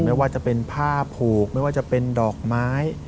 ไม่ว่าจะเป็นผ้าผูกไม่ว่าจะเป็นดอกไม้